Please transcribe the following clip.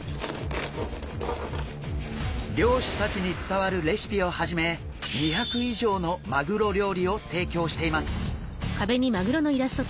漁師たちに伝わるレシピをはじめ２００以上のマグロ料理を提供しています。